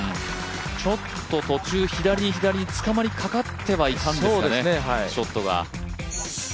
ちょっと途中、左に左に捕まりかかってはいたんですけどね、ショットが。